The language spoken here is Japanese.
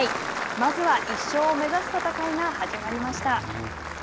まずは１勝を目指す戦いが始まりました。